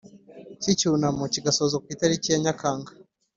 cy icyunamo kigasozwa ku itariki ya Nyakanga